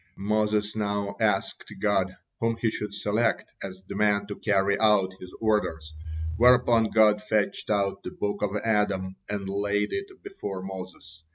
Moses now asked God whom he should select as the man to carry out his orders, whereupon God fetched out the book of Adam and laid it before Moses.